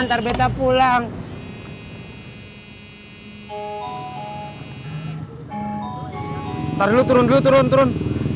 ntar dulu turun dulu turun turun